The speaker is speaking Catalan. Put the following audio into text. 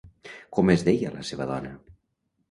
Com es deia la seva dona?